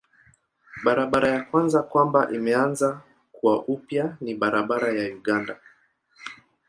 Barabara ya kwanza kwamba imeanza kuwa upya ni barabara ya Uganda.